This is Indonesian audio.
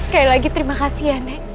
kayak lagi terima kasih ya nek